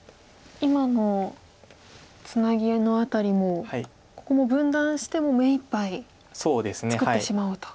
今のツナギの辺りもここも分断してもう目いっぱい作ってしまおうと。